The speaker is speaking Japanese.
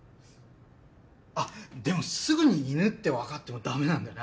あっでもすぐに犬ってわかってもだめなんだよな。